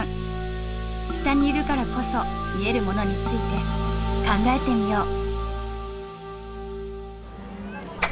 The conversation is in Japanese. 下にいるからこそ見えるものについて考えてみよう。